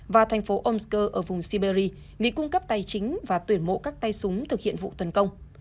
và thành phố omsko ở vùng siberia mỹ cung cấp tài chính và tuyển mộ các tay súng thực hiện vụ tấn công